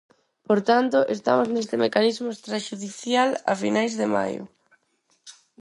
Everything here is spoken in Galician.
Por tanto, estamos neste mecanismo extraxudicial a finais de maio.